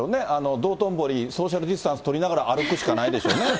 道頓堀、ソーシャルディスタンス取りながら、歩くしかないでしょうね。